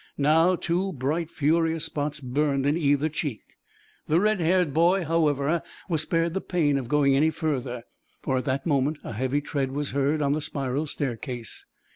Now, two bright, furious spots burned in either cheek. The red haired boy, however, was spared the pain of going any further, for, at that moment, a heavy tread was heard on the spiral staircase.